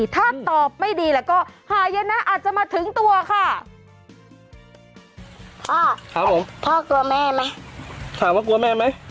ถามว่ากลัวแม่ไหม